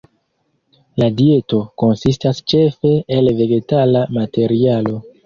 La dieto konsistas ĉefe el vegetala materialo.